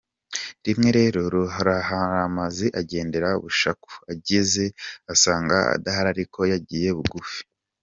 Rimwe rero Ruhararamanzi agenderera Bushaku; agezeyo asanga adahari ariko yagiye bugufi.